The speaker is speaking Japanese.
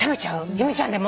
由美ちゃんでも？